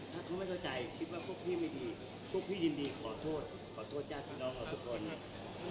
ถ้าเขาไม่เข้าใจคิดว่าพี่ไม่ดีพี่ยินดีขอโทษขอโทษหญ้าพี่น้องคุณสุกคน